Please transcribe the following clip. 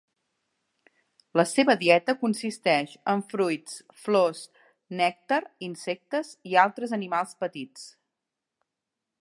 La seva dieta consisteix en fruits, flors, nèctar, insectes i altres animals petits.